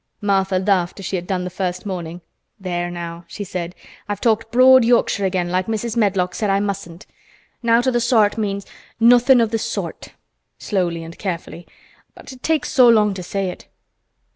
Martha laughed as she had done the first morning. "There now," she said. "I've talked broad Yorkshire again like Mrs. Medlock said I mustn't. 'Nowt o' th' soart' means 'nothin' of the sort,'" slowly and carefully, "but it takes so long to say it.